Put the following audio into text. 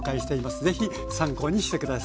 是非参考にして下さい。